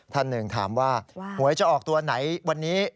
ท่านหนึ่งถามว่าหวยจะออกตัวไหนวันนี้